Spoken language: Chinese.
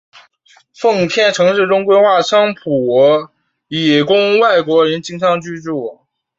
奉天城市中划出商埠地以供外国人经商居住。